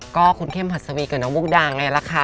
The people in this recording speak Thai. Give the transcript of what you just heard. ก็คุณเข้มหัสวีกับน้องมุกดาไงล่ะค่ะ